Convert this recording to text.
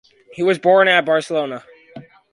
He was born at Barcelona.